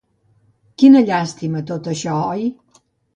Quina llàstima, tot això, oi?